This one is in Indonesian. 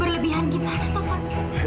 berlebihan gimana tante